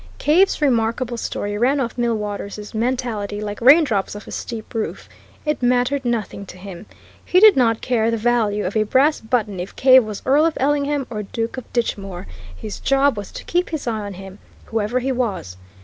Cave's remarkable story ran off Millwaters' mentality like raindrops off a steep roof. It mattered nothing to him. He did not care the value of a brass button if Cave was Earl of Ellingham or Duke of Ditchmoor; his job was to keep his eye on him, whoever he was.